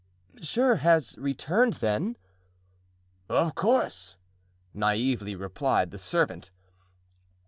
"Monsieur has returned, then?" "Of course," naively replied the servant.